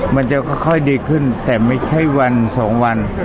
มันจะค่อยดีขึ้นแต่ไม่ใช่วันสองวัน